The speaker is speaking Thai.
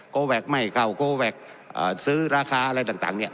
แวคไม่เข้าโกแวคซื้อราคาอะไรต่างเนี่ย